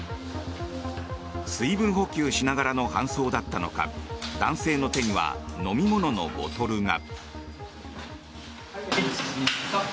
水分補給しながらの搬送だったのか男性の手には飲み物のボトルが。